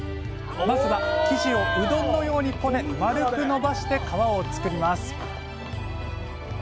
まずは生地をうどんのようにこね丸く伸ばして皮を作ります。